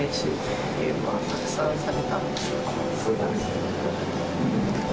そうですね。